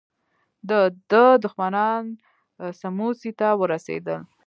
د ده دښمنان سموڅې ته ورسېدل.